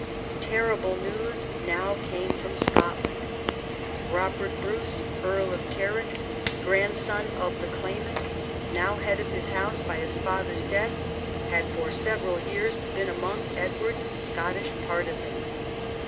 Terrible news now came from Scotland. Robert Bruce, the grandson of the claimant, Earl of Carrick since 1304: by his father's death, had for several years been among Edward's Scottish partisans.